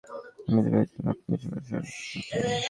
আমি তো ভেবেছিলাম, আপনি সরসরার সুপ্রিম।